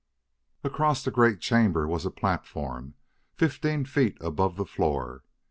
Across the great chamber was a platform fifteen feet above the floor.